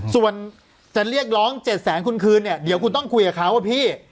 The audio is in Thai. ส่วนจะเรียกร้อง๗แสนคุณคืนเนี่ยเดี๋ยวคุณต้องคุยกับเขาว่าพี่